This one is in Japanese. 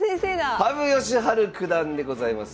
羽生善治九段でございます。